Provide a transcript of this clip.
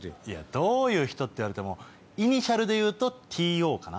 どういう人って言われてもイニシャルでいうとＴ・Ｏかな。